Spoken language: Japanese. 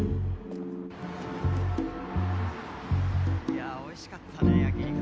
いやおいしかったね焼き肉。